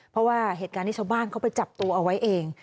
เพราะว่าเหตุการณ์ที่ชาวบ้านเขาไปจับตัวเอาไว้เอง